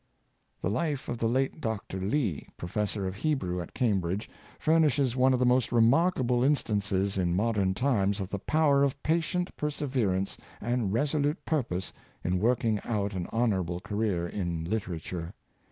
The life of the late Dr. Lee, Professor of Hebrew at Cambrido^e, furnishes one of the most remarkable in stances in modern times of the power of patient per severance and resolute purpose in working out an hon 324 Professor Lee, orable career in literature.